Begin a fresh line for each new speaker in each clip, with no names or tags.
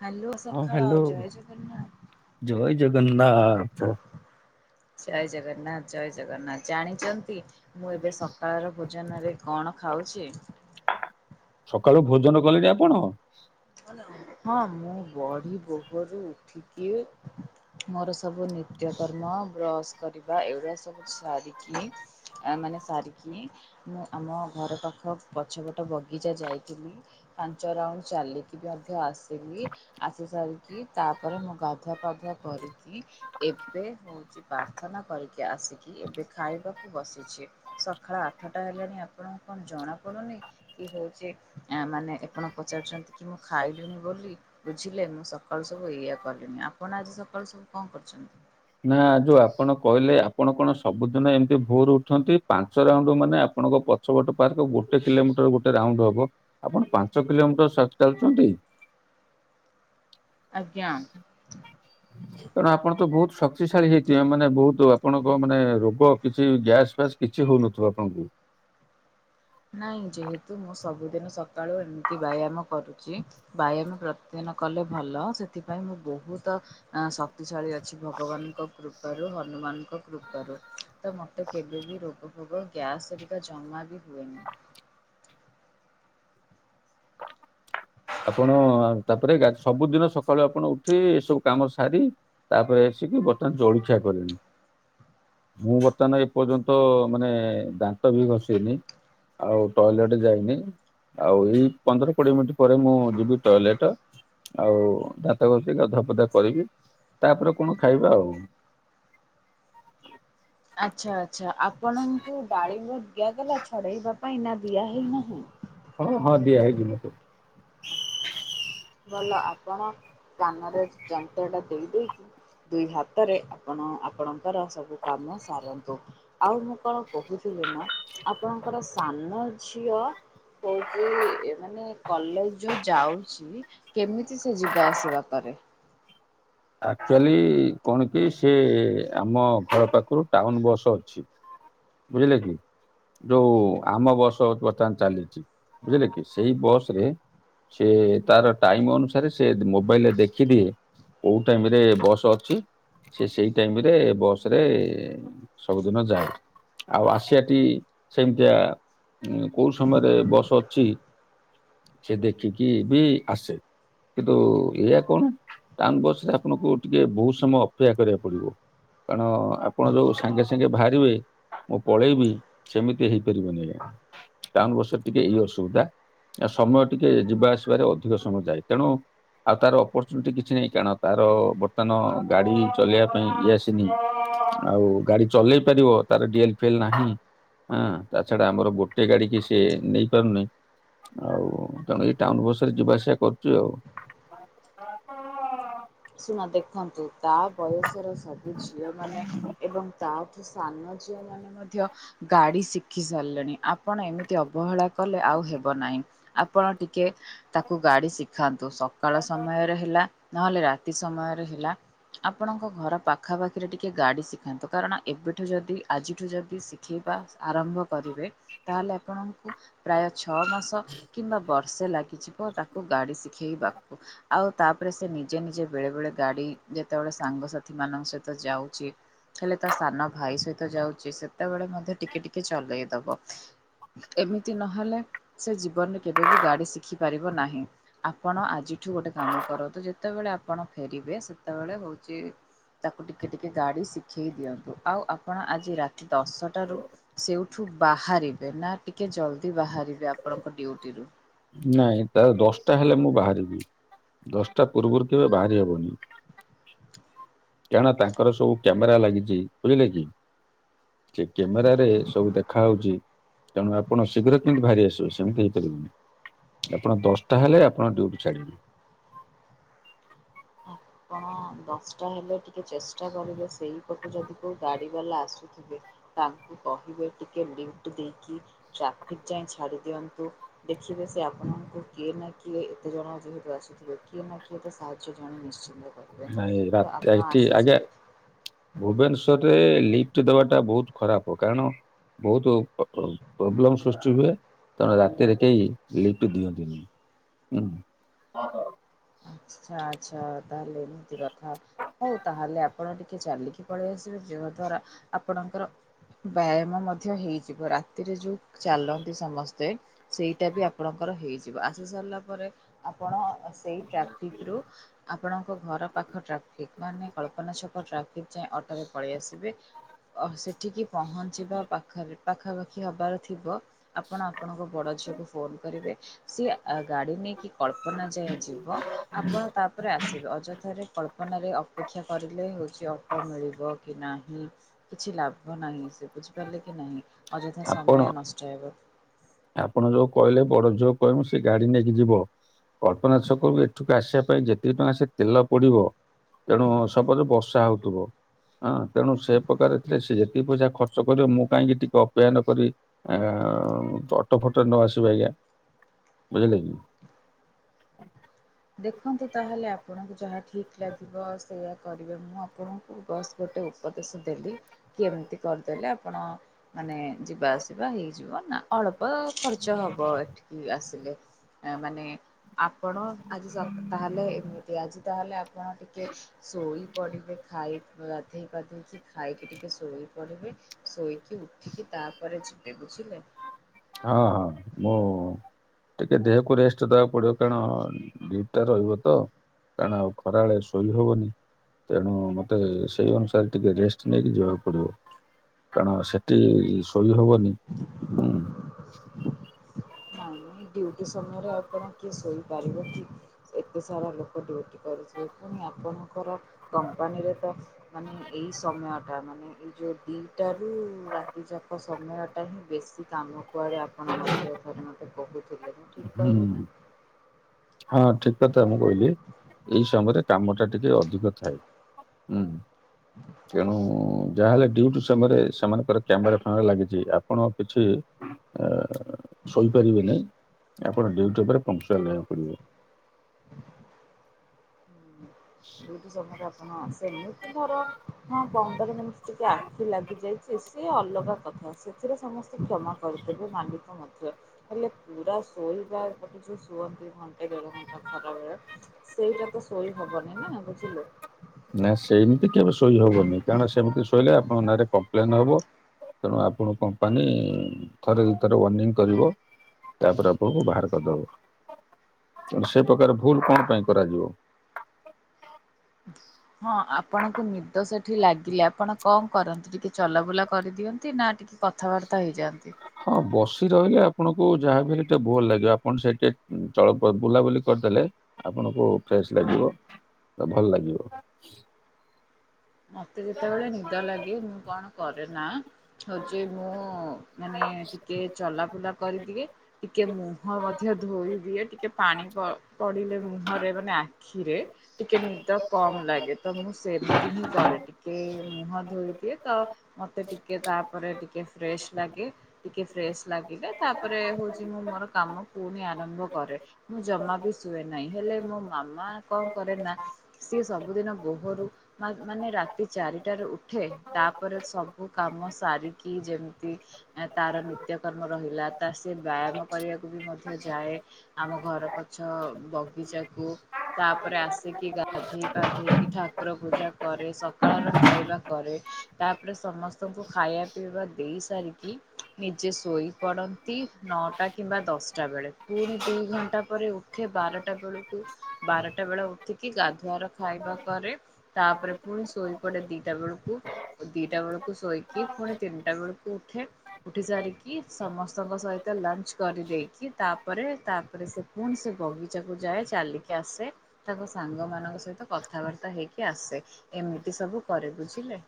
Hello
ହଁ
ସଖାଳ,
hello
ଜୟ ଜଗନ୍ନାଥ। ଜୟ ଜଗନ୍ନାଥ, ଜୟ ଜଗନ୍ନାଥ। ଜାଣିଚନ୍ତି, ମୁଁ ଏବେ ସକାଳର ଭୋଜନରେ କଣ ଖାଉଛି?
ସକାଳୁ ଭୋଜନ କଲେଣି ଆପଣ?
ହଁ ମୁଁ ବଢୀ ବୋହରୁ ଉଠିକି ମୋର ସବୁ ନିତ୍ୟକର୍ମ ବ୍ରସ୍ କରିବା ଏଗୁରା ସବୁ ସାରିକି ଆ ମାନେ ସାରିକି ମୁଁ ଆମ ଘର ପାଖ ପଛପଟ ବଗିଚା ଯାଇଥିଲି ପାଞ୍ଚ ରାଉଣ୍ଡ ଚାଲି [unintelligible] ଆସିଲି ଆସି ସାରିକି ତାପରେ ମୁଁ ଗାଧୁଆ ପାଧୁଆ କରିକି ଏବେ ହଉଚି ପାର୍ଥନା କରିକି ଆସିକି ଏବେ ଖାଇବାକୁ ବସିଛି। ସକାଳ ଆଠଟା ହେଲାଣି ଆପଣଙ୍କୁ କଣ ଜଣା ପଡୁନି। କି ହଉଚି ଆଁ ମାନେ ଆପଣ ପଚାରୁଚନ୍ତି କି ମୁଁ ଖାଇଲିଣିି ବୋଲି। ବୁଝିଲେ ମୁଁ ସକାଳୁ ସବୁ ଏଇଆ କଲିଣି ଆପଣ ଆଜି ସକାଳୁ ସବୁ କଣ କରିଚନ୍ତି?
ନା ଯୋଉ ଆପଣ କହିଲେ ଆପଣ କଣ ସବୁଦିନ ଏମିତି ଭୋରୁ ଉଠନ୍ତି ପାଞ୍ଚ ରାଉଣ୍ଡ ମାନେ ଆପଣଙ୍କ ପ ଛ ପଟ ପାର୍କ ଗୋଟେ କିଲୋମିଟର ଗୋଟେ ରାଉଣ୍ଡ ହବ ଆପଣ ପାଞ୍ଚ କିଲୋମିଟର ସତ୍ ଚାଲୁଚନ୍ତି।
ଆଜ୍ଞା।
ତେଣୁ ଆପଣ ତ ବହୁତ ଶକ୍ତିଶାଳୀ ହେଇଥିବେ ମାନେ ବହୁତ ଆପଣଙ୍କ ମାନେ ରୋଗ କିଛି ଗ୍ୟାସ୍ ଫ୍ୟାସ୍ କିଛି ହଉ ନ ଥୁବ ଆପଣଙ୍କୁ।
ନାଇଁ ଯେହେତୁ ମୁଁ ସବୁଦିନ ସକାଳୁ ଏମିତି ବ୍ୟାୟାମ୍ କରୁଚି ବ୍ୟାୟାମ ପ୍ରତିଦିନ କଲେ ଭଲ ସେଥିପାଇଁ ମୁଁ ବହୁତ ଆଁ ଶକ୍ତିଶାଳୀ ଅଛି ଭଗବାନ୍ ଙ୍କ କୃପାରୁ ହନୁମାନ ଙ୍କ କୃପାରୁ। ତ ମତେ କେବେ ବିି ରୋଗ ଫୋଗ ଗ୍ୟାସ୍ ହେରିକା ଜମା ବି ହୁଏନି।
ଆପଣ ତା ପରେ ଗା ସବୁଦିନ ସ ସକାଳୁ ଆପଣ ଉଠି ଏସବୁ କାମ ସାରି ତା ପରେ ଆସିକି ବର୍ତ୍ତମାନ ଜଳଖିଆ କଲେଣି। ମୁଁ ବର୍ତ୍ତମାନ୍ ଏପର୍ଯ୍ୟନ୍ତ ମାନେ ଦାନ୍ତ ବି ଘସିନି। ଆଉ ଟଏଲେଟ୍ ଯାଉନି ଆଉ ଏଇ ପନ୍ଦର କୋଡିଏ ମିନିଟ୍ ପରେ ମୁଁ ଯିବି ଟଏଲେଟ। ଆଉ ଦାନ୍ତ ଘସି ଗାଧୁଆ ପାଧୁଆ କରିବି ତା ପରେ କଣ ଖାଇବା ଆଉ।
ଆଚ୍ଛା ଆଚ୍ଛା ଆପଣଙ୍କୁ ଡାଳିିମ୍ୱ ଦିଆଗଲା ଛଡେଇବା ପାଇଁ ନା ଦିଆହେଇନାହିଁ?
ହଁ ହଁ ଦିଆ ହେଇଚି ମତେ।
ଭଲ ଆପଣ କାନରେ ଯନ୍ତ୍ରଟା ଦେଇଦେଇକି ଦୁଇ ହାତରେ ଆପଣ ଆପଣଙ୍କର ସବୁ କାମ ସାରନ୍ତୁ ଆଉ ମୁଁ କଣ କହୁଥିଲି ନା ଆପଣଙ୍କର ସାନ ଝିଅ କହୁଚି ମାନେ କଲେଜ ଯୋଉ ଯାଉଚି କେମିତି ସେ ଯିବା ଆସିବା କରେ?
ଆକ୍ଚୁଆଲି କଣ କି ସେ ଆମ ଘର ପାଖୁରୁ ଟାଉନ ବସ୍ ଅଛି। ବୁଝିଲେ କି? ଯୋଉ ଆମ ବସ ବର୍ତ୍ତମାନ ଚାଲିଚି ବୁଝିଲେ କି ସେଇ ବସ ରେ ସିଏ ତାର ଟାଇମ ଅନୁସାରେ ସେ ମୋବାଇଲରେ ଦେଖିଦିଏ। କୋଉ ଟାଇମ ରେ ବସ୍ ଅଛି ସିଏ ସେଇ ଟାଇମରେ ବସ ରେ ସବୁଦିନ ଯାଏ। ଆଉ ଆସିଆଟି ସେମିତିଆ କୋଉ ସମୟରେ ବସ୍ ଅଛି ସିଏ ଦେଖିକି ବି ଆସେ କିନ୍ତୁ ଏଇଆ କଣ? ଟାଉନ ବସ୍ ରେ ଆପଣଙ୍କୁ ଟିକେ ବହୁତ ସମୟ ଅପେକ୍ଷା କରିବାକୁ ପଡିବ। କାରଣ ଆପଣ ଯୋଉ ସାଙ୍ଗେ ସାଙ୍ଗେ ବାହାରିବେ ମୁଁ ପଳେଇବି ସେମିତି ହେଇପାରିବନି ଆଜ୍ଞା ଟାଉନ୍ ବସରେ ଟିକେ ଏଇ ଅସୁବିଧା। ଆଉ ସମୟ ଟିକେ ଯିବା ଆସିବାରେ ଅଧିକ ସମୟ ଯାଏ ତେଣୁ ଆଉ ତାର ଅପର୍ଚୁନିଟି କିଛି ନାହିଁ। କାରଣ ତାର ବର୍ତ୍ତମାନ ଗାଡ଼ି ଚଲେଇବା ପାଇଁ ଇଏ ଆସିନି ଆଉ ଗାଡ଼ି ଚଲେଇ ପାରିବ। ତାର ଡିଏଲ ଫିଏଲ୍ ନାହିଁ, ତା ଛଡ଼ା ଆମର ଗୋଟେ ଗାଡ଼ି କି ସେ ନେଇ ପାରୁନି। ଆଉ ତେଣୁ ଏଇ ଟାଉନ ବସ ରେ ଯିବା ଆସିବା କରୁଛୁ ଆଉ। ହଁ।
ଶୁଣନ୍ତୁ ଦେଖନ୍ତୁ ତା ବୟସର ସବୁ ଝିଅମାନେ ଏବଂ ତାଠୁ ସାନ ଝିଅମାନେ ମଧ୍ୟ ଗାଡ଼ି ଶିଖି ସାରିଲେଣି ଆପଣ ଏମିତି ଅବହେଳା କଲେ ଆଉ ହେବ ନାହିଁ। ଆପଣ ଟିକେ ତାକୁ ଗାଡ଼ି ଶିଖାନ୍ତୁ। ସକାଳ ସମୟରେ ହେଲା ନହେଲେ ରାତି ରାତି ସମୟରେ ହେଲା, ଆପଣଙ୍କ ଘର ପାଖା ପାଖିରେ ଟିକେ ଗାଡ଼ି ଶିଖାନ୍ତୁ କାରଣ ଏବେଠୁ ଯଦି ଆଜିଠୁ ଯଦି ଶିଖିବା ଶିଖିବା ଆରମ୍ଭ କରିବେ ତାହେଲେ ଆପଣଙ୍କୁ ପ୍ରାୟ ଛଅ ମାସ କିମ୍ବା ବର୍ଷେ ଲାଗିଯିବ ତାକୁ ଗାଡ଼ି ଶିଖେଇବାକୁ। ଆଉ ତାପରେ ସେ ନିଜେ ନିଜେ ବେଳେବେଳେ ଗାଡ଼ି ଯେତେବେଳେ ସାଙ୍ଗସାଥି ମାନଙ୍କ ସହିତ ଯାଉଛି ହେଲେ ତା ସାନ ଭାଇ ସହିତ ଯାଉଛି ସେତେବେଳେ ମଧ୍ୟ ଟିକେ ଟିକେ ଚଲେଇ ଦବ। ଏମିତି ନହେଲେ ସେ ଜୀବନରେ କେବେ ବି ଗାଡ଼ି ଶିଖି ପାରିବ ନାହିଁ। ଆପଣ ଆଜିଠୁ ଗୋଟେ କାମ କରନ୍ତୁ ଯେତେବେଳେ ଆପଣ ଫେରିବେ ସେତେବେଳେ ହଉଛି ତାକୁ ଟିକେ ଟିକେ ଗାଡ଼ି ଶିଖେଇ ଦିଅନ୍ତୁ। ଆଉ ଆପଣ ଆଜି ରାତି ଦଶଟାରୁ ସେଉଠୁ ବାହାରିବେ ନା ଟିକେ ଜଲଦି ବାହାରିବେ ଆପଣଙ୍କ ଡ୍ୟୁଟିରୁ।
ନାଇଁ ତା ଦଶଟା ହେଲେ ମୁଁ ବାହାରିବି। ଦଶଟା ପୂର୍ବରୁ କେବେ ବାହାରି ହବନି। କାରଣ ତାଙ୍କର ସବୁ କ୍ୟାମେରା ଲାଗିଛି ବୁଝିଲେ କି? କ୍ୟାମେରାରେ ସବୁ ଦେଖାଉଛି। ତେଣୁ ଆପଣ ଶୀଘ୍ର କେମିତି ବାହାରି ଆସିବେ ସେମିତି ହେଇପାରିବନି। ଆପଣ ଦଶଟା ହେଲେ ଆପଣ ଡ୍ୟୁଟି ଛାଡ଼ିବେ।
ଆପଣ ଦଶଟା ହେଲେ ଟିକେ ଚେଷ୍ଟା କରିବେ ସେଇପଟୁ ଯଦି କୋଉ ଗାଡ଼ି ବାଲା ଆସୁ ସେ [unintelligible] ତାଙ୍କୁ କହିବେ ଟିକେ ଲିଫ୍ଟ ଦେଇକି ଟ୍ରାଫିକ ଯାଏ ଛାଡ଼ି ଦିଅନ୍ତୁ। ଦେଖିବେ ସେ ଆପଣଙ୍କୁ କିଏ ନା କିଏ ଏତେ ଜଣ ଯେହେତୁ ଆସୁଥିବେ କିଏ ନା କିଏ ତ ସାହାଯ୍ୟ ସେ ଜଣେ ନିଶ୍ଚିନ୍ତ କରିବ।
ନାଇଁ ରାତି ଏଇଠି ଆଜ୍ଞା। ଭୁବନେଶ୍ଵରରେ ଲିଫ୍ଟ ଦେବାଟା ବହୁତ ଖରାପ। କାରଣ ବହୁତ ପ୍ରୋବ୍ଲେମ ସୃଷ୍ଟି ହୁଏ। ତେଣୁ ରାତିରେ କେହି ଲିପ୍ଟ ଦିଅନ୍ତିନି ହୁଁ।
ଆଚ୍ଛା ଆଚ୍ଛା ତାହେଲେ ଏମିତି କଥା। ହଉ ତାହେଲେ ଆପଣ ଟିକେ ଚାଲିକି ପଳେଇ ଆସିବେ। ଯାହା ଦ୍ଵାରା ଆପଣଙ୍କର ବ୍ୟାୟାମ ମଧ୍ୟ ହେଇଯିବ। ରାତିରେ ଯେଉଁ ଚାଲନ୍ତି ସମସ୍ତେ ସେଇ ଟାଇପର ଆପଣଙ୍କର ହେଇଯିବ। ଆସି ସାରିଲା ପରେ ଆପଣ ସେଇ ଟ୍ରାଫିକରୁ ଆପଣଙ୍କ ଘର ପାଖ ଟ୍ରାଫିକ, ମାନେ କଳ୍ପନା ଛକ ଟ୍ରାଫିକ୍ ଯାଏଁ ଅଟୋରେ ପଳେଇ ଆସିବେ। ସେଠିକି ପହଞ୍ଚିବା ପାଖରେ ପାଖାପାଖି ହେବାର ଥିବ, ଆପଣ ଆପଣଙ୍କ ବଡ଼ ଝିଅକୁ ଫୋନ୍ କରିବେ ସିଏ ଗାଡ଼ି ନେଇକି କଳ୍ପନା ଯାଏ ଯିବ। ଆପଣ ତାପରେ ଆସିବେ। ଅଯଥାରେ କଳ୍ପନାରେ ଅପେକ୍ଷା କରିଲେ ହେଉଛି ଅଟୋ ମିଳିବ କି ନାହିଁ କିଛି ଲାଭ ନାହିଁ ସେ ବୁଝିପାରିଲେ କି ନାହିଁ। ଅଯଥା
ଆପଣ
ସମୟ ନଷ୍ଟ ହେବ।
ଆପଣ ଯୋଉ କହିଲେ ବଡ ଝୁଅକୁ କହିବୁ ସେ ଗାଡି ନେଇକି ଯିବ କଳ୍ପନା ଛକରୁ ଏଠକୁ ଆସିବା ପାଇଁ ଯେତିକି ଟଙ୍କା ସେ ତେଲ ପଡିବ ତେଣୁ ସପଜ ବର୍ଷା ହଉଥିବ ହଁ ତେଣୁ ସେ ପ୍ରକାର ଥିଲେ ସେ ଯେତିକି ପଇସା ଖର୍ଚ୍ଚ କରିବ ମୁଁ କାହିଁକି ଟିକେ ଅପେକ୍ଷା ନକରିବି। ଆ ଅଟୋ ଫଟୋ ରେ ନ ଆସିବେ ଆଜ୍ଞା ବୁଝିଲେ କି?
ଦେଖନ୍ତୁ ତାହେଲେ ଆପଣଙ୍କୁ ଯାହା ଠିକ୍ ଲାଗିବ ସେଇୟା କରିବେ ମୁଁ ଆପଣ ବସ୍ ଗୋଟେ ଉପଦେଶ ଦେଲି କି ଏମିତି କରିଦେଲେ ଆପଣ ମାନେ ଯିବା ଆସିବା ହେଇଯିବ ନା ଅଳ୍ପ ଖର୍ଚ୍ଚ ହେବ ଏଠିକି ଆସିଲେ ମାନେ ଆପଣ ଯ ତାହେଲେ ଆଜି ତାହେଲେ ଆପଣ ଟିକେ ଶୋଇପଡ଼ିବେ ଖାଇ ଗଧୋଇ ପାଧୋଇକି। ଖାଇକି ଟିକେ ଶୋଇପଡ଼ିବେ ଶୋଇକି ଉଠିକି ତାପରେ ଯିବେ ବୁଝିଲେ।
ହଁ ହଁ ମୁଁ ଟିକେ ଦେହକୁ ରେଷ୍ଟ ଦବାକୁ ପଡିବ କାରଣ ଡିଉଟିଟା ରହିବତ। କାରଣ ଆଉ ଖରାବେେଳେ ଶୋଇ ହବନି। ତେଣୁ ମତେ ସେଇ ଅନୁସାରେ ଟିକେ ରେଷ୍ଟ୍ ନେଇକି ଯିବାକୁ ପଡିବ। କାରଣ ସେଠି ସୋଇ ହବନି ହୁଁ।
ନାଇଁ ନାଇଁ ଡିଉଟି ସମୟରେ ଆଉ କଣ କିଏ ଶୋଇପାରିବ କି? ଏତେ ସାରା ଲୋକ ଡ୍ୟୁଟି କରୁଥିବେ ପୁଣି ଆପଣଙ୍କର କମ୍ପାନୀରେ ତ ମାନେ ଏଇ ସମୟଟା ମାନେ ଏଇ ଯଉ ଦି ଟାରୁ ରାତିଚାପ ସମୟଟା ହିଁ ବେଶୀ କାମ କୁଆଡ଼େ ଆପଣ ମଝିରେ ଥରେ କହୁଥିଲେ ମୁଁ ଠିକ୍
ହୁଁ
କହିଲି ନା?
ହଁ ଠିକ କଥା ମୁଁ କହିଲି ଏଇ ସମୟରେ କାମଟା ଟିକେ ଅଧିକ ଥାଏ। ହୁଁ।
[inaudible]
ତେଣୁ ଯାହାହେଲେ ଡ୍ୟୁଟି ସମୟରେ ସେମାନଙ୍କର କ୍ୟାମେରା ଫ୍ୟାମେରା ଲାଗିଛି ଆପଣ କିଛି ଅ ଶୋଇପାରିବେ ନାହିଁ ଆପଣ ଡ୍ୟୁଟି ଉପରେ ପନକ୍ଟୁଆଲ ରହିବାକୁ ପଡିବ।
ଡିଉଟିି ସମୟରେ ଆପଣ ସେମିତି ଧର ହଁ ପନ୍ଦର ମିନିଟ୍ ଟିକେ ଆଖି ଲାଗିଯାଇ ସେ ସେ ଅଲଗା କଥା। ସେଥିରେ ସମସ୍ତେ କ୍ଷମା କରିଦେବେ ମାଲିକ ମଧ୍ୟ ହେଲେ ପୁରା ସୋଇବା ଗୋଟେ ଯେଉଁ କୁହନ୍ତି ଘଣ୍ଟେ ଦେଢ ଘଣ୍ଟା ଖରାବେଳେ ସେଇଟା ତ ଶୋଇ ହବନି ନା ବୁଝିଲେ?
ନାଁ ସେମିତି କେବେ ଶୋଇହବନି କାରଣ ସେମିତି ଶୋଇଲେ ଆପଣ ନାଁରେ କମ୍ପ୍ଲେନ୍ ହେବ ତେଣୁ ଆପଣ କୁ କମ୍ପାନୀ ଥରେ ଦିଥର ୱାର୍ଣ୍ଣିଂ କରିବ ତାପରେ ଆପଣଙ୍କୁ ବାହାର କରିଦବ ତେଣୁ ସେ ପ୍ରକାର ଭୁଲ କଣପାଇଁ କରାଯିବ?
[unintelligible] ହଁ ଆପଣଙ୍କୁ ନିଦ ସେଠି ଲାଗିଲେ ଆପଣ କଣ କରନ୍ତି ଟିକେ ଚଲାବୁଲା କରିଦିଅନ୍ତି ନା ଟି କଥାବାର୍ତ୍ତା ହେଇଯାଆନ୍ତି।
ହଁ ବସିରହିଲେ ଆପଣଙ୍କୁ ଯାହାବି ହେଲେ ଟିକେ ବୋର୍ ଲାଗିବ ଆପଣ ସେଇ ଟିକେ ଚଳ ବୁଲାବୁଲି କରିଦେଲେ ଆପଣଙ୍କୁ ଫ୍ରେଶ୍ ଲାଗିବ ତ ଭଲ ଲାଗିବ।
ମତେ ଯେତେ ବେଳେ ନିଦ ଲାଗେ ମୁଁ କଣ କରେ ନା ହଉଛି ମୁଁ ମାନେ ଟିକେ ଚଲା ବୁଲା କରିଦିଏ ଟିକେ ମୁହଁ ମଧ୍ୟ ଧୋଇ ଦିଏ ଟିକେ ପାଣି ପ ପଡିଲେ ମୁହଁରେ ମାନେ ଆ କ୍ଷୀରେ ଟିକେ ନିଦ କମ୍ ଲାଗେ ତ ମୁଁ ସେମିତି ହିଁ କରେ ଟିକେ ମୁହଁ ଧୋଇ ଦିଏ ତ ମତେ ଟିକେ ତାପରେ ଟିକେ ଫ୍ରେଶ୍ ଲାଗେ ଟିକେ ଫ୍ରେଶ୍ ଲାଗିଲେ ତାପରେ ହଉଛି ମୁଁ ମୋର କାମ ପୁଣି ଆରମ୍ଭ କରେ। ମୁଁ ଜମା ବି ଶୁଏ ନାହିଁ, ହେଲେ ମୋ ମାମା କଣ କରେ ନା। ସେ ସବୁଦିନ ବୋହରୁ। ମାନେ ରାତି ଚାରିଟାରେ ଉଠେ, ତାପରେ ସବୁ କାମ ସାରିକି ଯେମିତି। ତାର ନିତ୍ୟକର୍ମ ରହିଲା, ତା ସେବା ଆମେ କରିବାକୁ। କୁ ବି ମଧ୍ୟ ଯାଏ ଆମ ଘର ପଛ ବଗିଚାକୁ। ତାପରେ ଆସିକି ଗାଧେଇ ପାଧେଇ କି ଠାକୁର ପୂଜା। କରେ। ସକାଳର ଖାଇବା କରେ। ତାପରେ ସମସ୍ତଙ୍କୁ ଖାଇବା ପିଇବା ଦେଇ ସାରିକି, ନିଜେ ଶୋଇ ପଡ। ଠିକ୍ ନଅଟା କିମ୍ବା ଦଶଟା ବେଳେ ପୁଣି ଦୁଇ ଘଣ୍ଟା ପରେ ଉଠେ ବାରଟା ବେଳକୁ। ବାରଟା ବେଳେ ଉଠିକି ଗାଧୁଆର ଖାଇବା କରେ। ପରେ ପୁଣି ଶୋଇପଡେ ଦିଟା ବେଳୁକୁ। ଦିଟା ବେଳକୁ ଶୋଇକି ପୁଣି ତିନଟା ବେଳକୁ ଉଠେ। ଉଠି ସାରିକି ସମସ୍ତଙ୍କ ସହିତ ଲଞ୍ଚ କରିଦେଇକି ତାପରେ ତାପରେ ସେ। ପୁଣି ସେ ବଗିଚାକୁ ଯାଏ ଚାଲିକି ଆସେ। ତାଙ୍କ ସାଙ୍ଗ ମାନଙ୍କ ସହିତ କଥାବାର୍ତ୍ତା ହେଇକି ଆସେ। ଏମିତି ସବୁ କରେ ବୁଝିଲେ।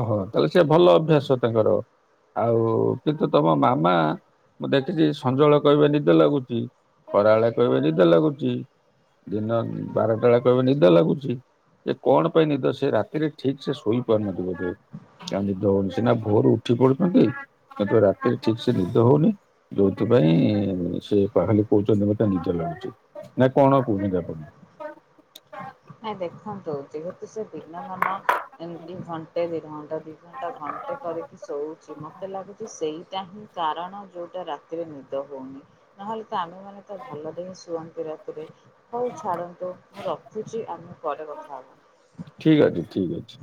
ଓହୋ, ତାହେଲେ ସେ ଭଲ ଅଭ୍ୟାସ ତାଙ୍କର। ଆଉ କିନ୍ତୁ ତମ ମାମା ମୁଁ ଦେଖିଚି ସଞ୍ଜ ବେଳେ କହିବେ ନିଦ ଲାଗୁଚି। ଖରା ବେଳେ କହିବେ ନିଦ ଲାଗୁଚି, ଦିନ ବାରଟା ବେଳେ କହିବେ ନିଦ ଲାଗୁଚି। ଯେ କଣ ପାଇଁ ନିଦ, ସେ ରାତିରେ ଠିକ୍ ସେ ଶୋଇ ପାରୁନଥିବେ। ତା ନିଦ ହଉନି ସିନା ଭୋରୁ ଉଠି ପଡୁଚନ୍ତି କିନ୍ତୁ ରାତିରେ ଠିକ୍ ସେ ନିଦ ହଉନି। ଯଉଥିପାଇଁ ସେ ଖାହାଲି କହୁଚନ୍ତି ମୋତେ ନିଦ ଲାଗୁଚି। ନାଇ କଣ କହୁଚନ୍ତି ଆପଣ?।
ନାଇଁ ଦେଖନ୍ତୁ, ଯେହେତୁ ସେ ଦିନ ମାନ ଏମତି ଘଣ୍ଟେ, ଦେଢ଼ ଘଣ୍ଟା, ଦି। ଘଣ୍ଟେ କରିକି ଶୋଉଚି, ମତେ ଲାଗୁଚି ସେଇଟା ହିଁ କାରଣ ଯଉଟା ରା। ରାତିରେ ନିଦ ହଉନି ନହେଲେ ତ ଆମେ ମାନେ ତ ଭଲରେ ହିଁ ଶୁଅନ୍ତି ରାତିରେ। ହଉ ଛାଡନ୍ତୁ, ମୁଁ ରଖୁଚି ଆମେ ପରେ କଥା ହବା।
ଠିକ୍ ଅଛି, ଠିକ୍ ଅଛି।